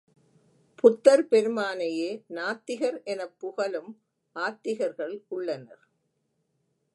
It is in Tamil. புத்தர் பெருமானையே நாத்திகர் எனப் புகலும் ஆத்திகர்கள் உள்ளனர்.